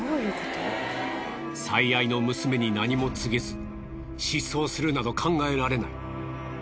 最愛の娘に何も告げず失踪するなど考えられない。